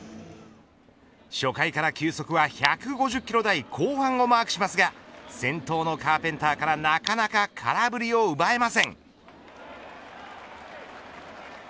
初回から球速は１５０キロ台後半をマークしますが先頭のカーペンターからなかなか空振りを奪いません。